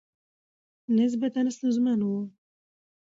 نسبتاً ستونزمن ؤ